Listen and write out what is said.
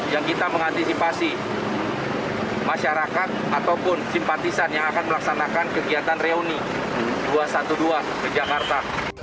yang kita mengantisipasi masyarakat ataupun simpatisan yang akan melaksanakan kegiatan reuni dua ratus dua belas ke jakarta